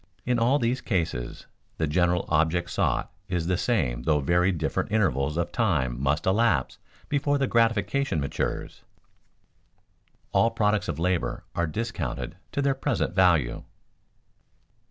In all these cases the general object sought is the same though very different intervals of time must elapse before the gratification matures. [Sidenote: All future products of labor are discounted to their present value] 2.